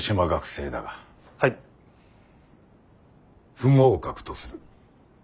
不合格とする。